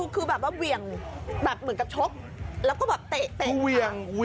คุณผมวิ่งเหมือนกับชบแล้วก็เหมือนเตะ